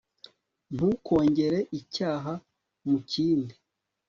ntukongere icyaha mu kindi